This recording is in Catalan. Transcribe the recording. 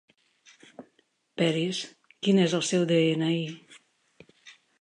Peris, quin és el seu de-ena-i?